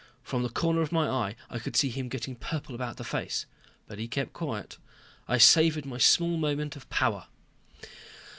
From the corner of my eye I could see him getting purple about the face but he kept quiet. I savored my small moment of power.